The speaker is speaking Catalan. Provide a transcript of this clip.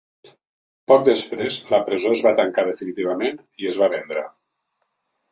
Poc després, la presó es va tancar definitivament i es va vendre.